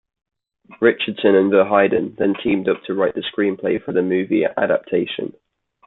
Richardson and Verheiden then teamed up to write the screenplay for the movie adaptation.